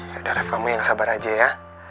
yaudah ref kamu yang sabar aja ya